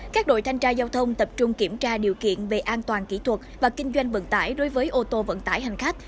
các đội thanh tra giao thông tập trung kiểm tra điều kiện về an toàn kỹ thuật và kinh doanh vận tải đối với ô tô vận tải hành khách